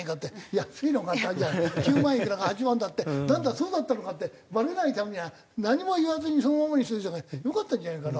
安いのが９万いくらが８万だってなんだそうだったのかってバレないためには何も言わずにそのままにしといたほうがよかったんじゃないのかな。